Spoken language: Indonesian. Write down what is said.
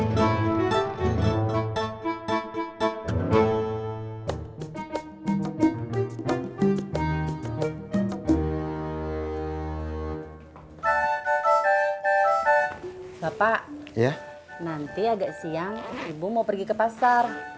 bapak nanti agak siang ibu mau pergi ke pasar